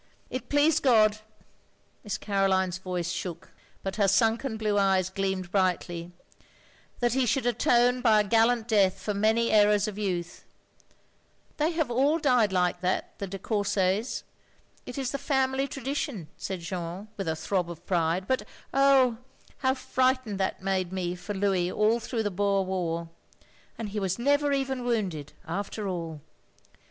It pleased God —*' Miss Caroline's voice shook, but her stinken blue eyes gleamed brightly, "that he should atone by a gallant death for many errors of youth *'" They have all died like that, the de Coursets — it is the family tradition," said Jeanne, with a throb of pride, "but, oh — how frightened that made me for Louis all through the Boer War. And he was never even wounded, — after all!"